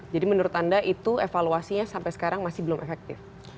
jadi menurut anda itu evaluasinya sampai sekarang masih belum efektif